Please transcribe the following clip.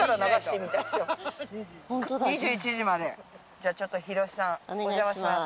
じゃあちょっとひろしさんお邪魔します